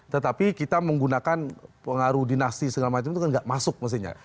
tetapi kita menggunakan pengaruh dinasti segala macam itu kan nggak masuk mestinya